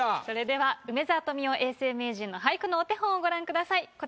それでは梅沢富美男永世名人の俳句のお手本をご覧ください。